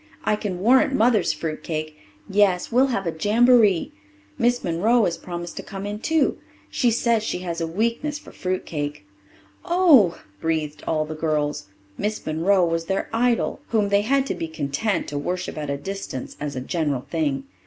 "I can warrant Mother's fruit cake. Yes, we'll have a jamboree. Miss Monroe has promised to come in too. She says she has a weakness for fruit cake." "Oh!" breathed all the girls. Miss Monroe was their idol, whom they had to be content to worship at a distance as a general thing.